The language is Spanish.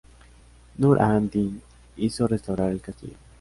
Nur ad-Din hizo restaurar el castillo.